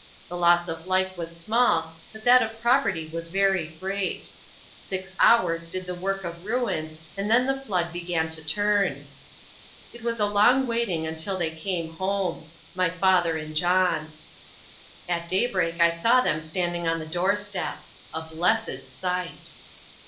The loss of life was small, but that of property was very great. Six hours did the work of ruin, and then the flood began to turn. It was a long waiting until they came home my father and John. At daybreak I saw them standing on the doorstep. A blessed sight!